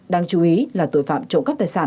đáng chú ý là tội phạm trộm cắp tài sản